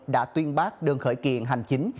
đã tuyên bác đơn khởi kiện hành chính